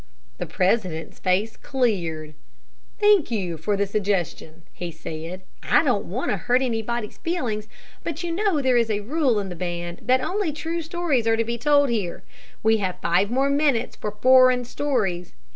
The president's face cleared. "Thank you for the suggestion," he said. "I don't want to hurt anybody's feelings; but you know there is a rule in the band that only true stories are to be told here. We have five more minutes for foreign stories.